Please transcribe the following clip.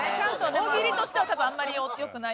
大喜利としては多分あんまりよくない。